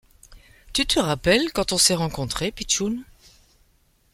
Tu te rappelles, quand on s’est rencontrés, pitchoun ?